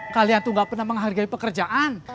kalian tuh gak pernah menghargai pekerjaan